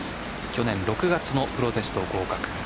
去年６月プロテスト合格。